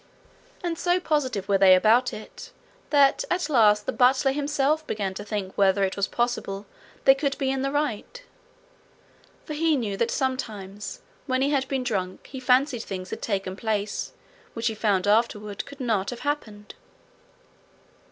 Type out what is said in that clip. And so positive were they about it, that at last the butler himself began to think whether it was possible they could be in the right. For he knew that sometimes when he had been drunk he fancied things had taken place which he found afterward could not have happened.